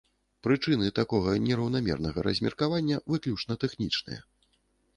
Прычына такога нераўнамернага размеркавання выключна тэхнічная.